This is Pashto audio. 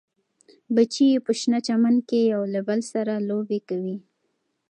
بچي یې په شنه چمن کې یو له بل سره لوبې کوي.